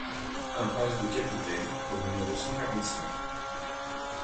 Impasse du Capitaine au numéro cent quarante-cinq